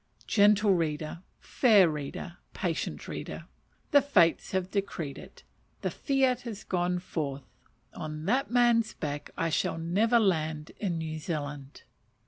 Gentle reader, fair reader, patient reader! The fates have decreed it; the fiat has gone forth; on that man's back I shall never land in New Zealand.